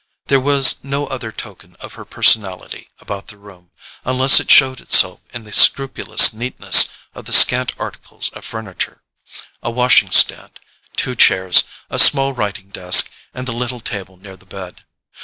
There was no other token of her personality about the room, unless it showed itself in the scrupulous neatness of the scant articles of furniture: a washing stand, two chairs, a small writing desk, and the little table near the bed.